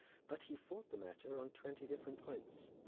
But he fought the matter on twenty different points.